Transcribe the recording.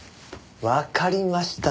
わかりました。